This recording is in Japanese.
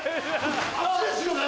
足ですよね